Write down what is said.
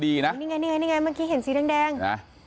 ฐานพระพุทธรูปทองคำ